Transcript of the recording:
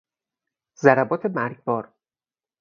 ضربات مرگبار